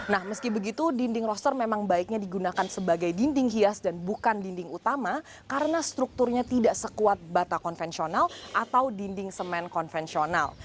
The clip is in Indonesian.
nah meski begitu dinding roster memang baiknya digunakan sebagai dinding hias dan bukan dinding utama karena strukturnya tidak sekuat bata konvensional atau dinding semen konvensional